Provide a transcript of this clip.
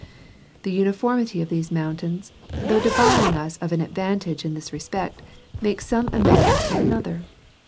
The uniformity of these mountains, though debarring us of an advantage in this respect, makes some amends in another.